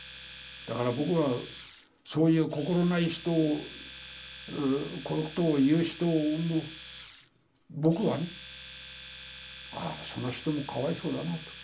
だから僕はそういう心ない人をことを言う人も僕はね「ああその人もかわいそうだな」と。